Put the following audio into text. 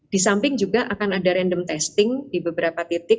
di samping juga akan ada random testing di beberapa titik